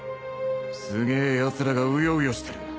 すげえやつらがうようよしてる。